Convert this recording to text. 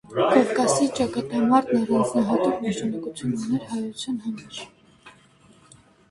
Կովկասի ճակատամարտն առանձնահատուկ նշանակություն ուներ հայության համար։